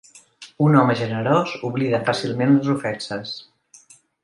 Un home generós oblida fàcilment les ofenses.